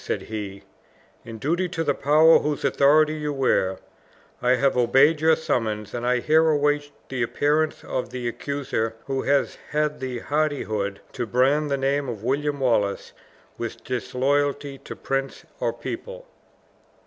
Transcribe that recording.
said he, "in duty to the power whose authority you wear, I have obeyed your summons, and I here await the appearance of the accuser who has had the hardihood to brand the name of William Wallace with disloyalty to prince or people."